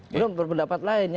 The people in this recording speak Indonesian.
belum berpendapat lain